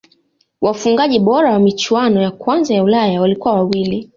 wafungaji bora wa michuano ya kwanza ya ulaya walikuwa wawili